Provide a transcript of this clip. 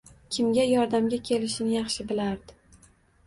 Kimga yordamga kelishini yaxshi bilardi.